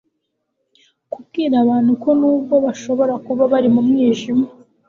kubwira abantu ko nubwo bashobora kuba bari mu mwijima